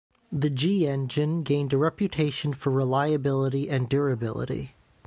The G-engine gained a reputation for reliability and durability.